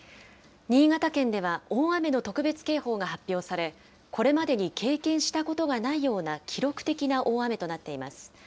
新潟県では、大雨の特別警報が発表され、これまでに経験したことがないような記録的な大雨となっています。